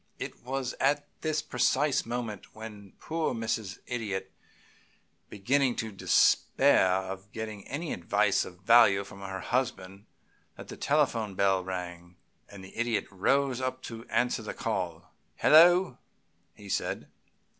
It was at this precise moment, when poor Mrs. Idiot was beginning to despair of getting any advice of value from her husband, that the telephone bell rang, and the Idiot rose up to answer the call. "Hello!" he said.